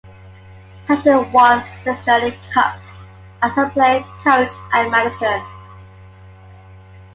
Patrick won six Stanley Cups as a player, coach and manager.